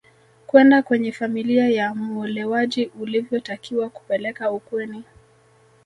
kwenda kwenye familia ya muolewaji ulivyotakiwa kupeleka ukweni